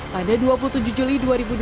pada dua puluh tujuh juli dua ribu dua puluh